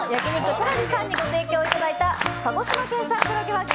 トラジさんにご提供いただいた鹿児島県産黒毛和牛